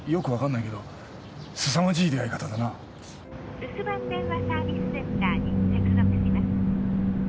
「留守番電話サービスセンターに接続します。